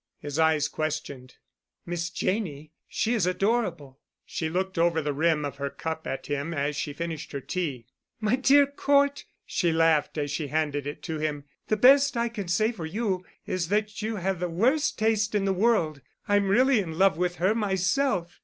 His eyes questioned. "Miss Janney—she is adorable." She looked over the rim of her cup at him as she finished her tea. "My dear Cort," she laughed, as she handed it to him, "the best I can say for you is that you have the worst taste in the world. I'm really in love with her myself.